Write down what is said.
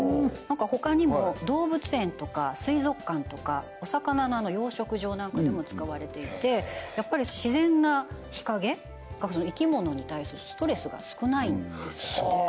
他にも動物園とか水族館とかお魚の養殖場なんかでも使われていてやっぱり自然な日陰が生き物に対するストレスが少ないんですって